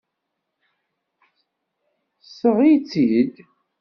Seɣ-itt-id!